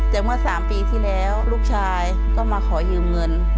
แต่เมื่อ๓ปีที่แล้วลูกชายก็มาขอยืมเงิน